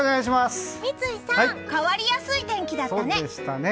三井さん変わりやすい天気だったね。